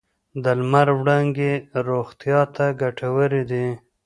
د لمر وړانګې روغتیا ته ګټورې دي.